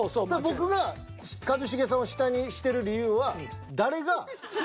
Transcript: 僕が一茂さんを下にしてる理由は。